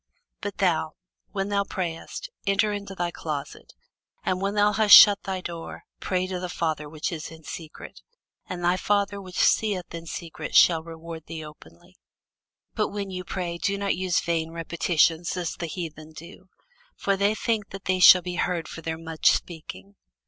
But thou, when thou prayest, enter into thy closet, and when thou hast shut thy door, pray to thy Father which is in secret; and thy Father which seeth in secret shall reward thee openly. But when ye pray, use not vain repetitions, as the heathen do: for they think that they shall be heard for their much speaking.